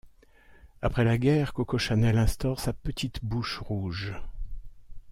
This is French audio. Après la guerre, Coco Chanel instaure sa petite bouche rouge.